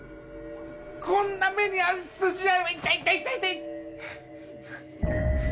こんな目に遭う筋合いは痛い痛い痛い！